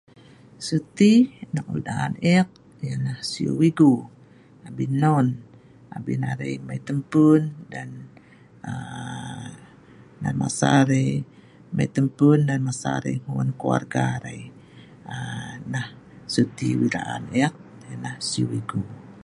Cuti nok wei laan ek yah nah siu igu, abin non abin arai mai tempun, dan(ngan) nan masa arai mai tempun nan masa arai hngui ngan keluarga arai nah cuti wei laan ek yah nah siu igu